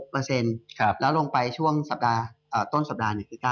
แล้วลงไปช่วงต้นสัปดาห์๙